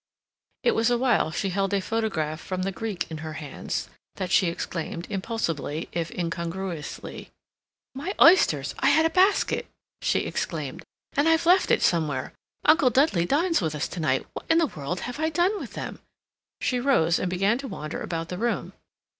It was while she held photograph from the Greek in her hands that she exclaimed, impulsively, if incongruously: "My oysters! I had a basket," she explained, "and I've left it somewhere. Uncle Dudley dines with us to night. What in the world have I done with them?" She rose and began to wander about the room.